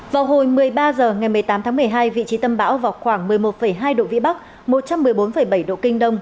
vào hồi một mươi ba h ngày một mươi tám tháng một mươi hai vị trí tâm bão vào khoảng một mươi một hai độ vĩ bắc một trăm một mươi bốn bảy độ kinh đông